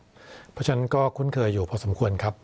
เพราะฉะนั้นก็คุ้นเคยอยู่พอสมควรครับ